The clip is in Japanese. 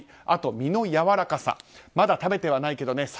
あと身のやわらかさまだ食べてはないけどね